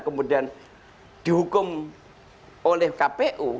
kemudian dihukum oleh kpu